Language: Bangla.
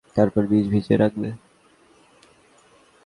তারপর বীজ ভিজিয়ে রাখবে।